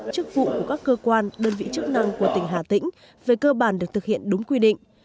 chức vụ của các cơ quan đơn vị chức năng của tỉnh hà tĩnh về cơ bản được thực hiện đúng quy định